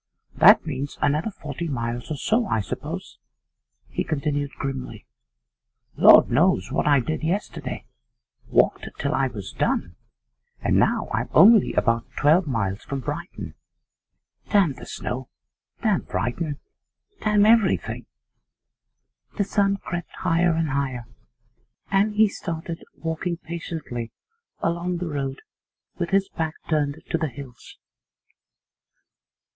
'That means another forty miles or so, I suppose,' he continued grimly. 'Lord knows what I did yesterday. Walked till I was done, and now I'm only about twelve miles from Brighton. Damn the snow, damn Brighton, damn everything!' The sun crept higher and higher, and he started walking patiently along the road with his back turned to the hills.